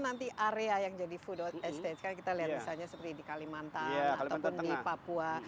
nanti area yang jadi food estate kan kita lihat misalnya seperti di kalimantan ataupun di papua